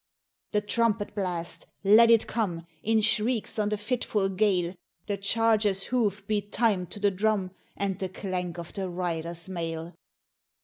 "The trumpet blast let it come In shrieks on the fitful gale, The charger's hoof beat time to the drum, And the clank of the rider's mail.